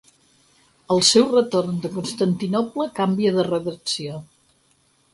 Al seu retorn de Constantinoble, canvia de redacció.